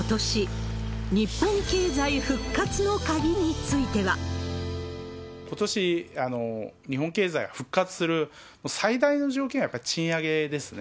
ことし、ことし、日本経済が復活する最大の条件は、やっぱり賃上げですね。